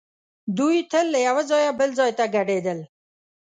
دوی تل له یو ځایه بل ځای ته کډېدل.